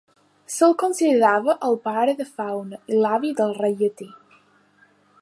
Se'l considerava el pare de Faune i l'avi del rei Llatí.